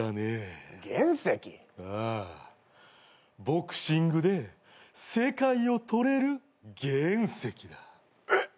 ボクシングで世界をとれる原石だ。えっ！？